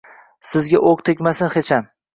Sizga o’q tegmasin hecham